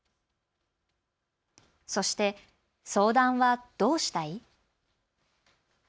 そして相談はどうしたい？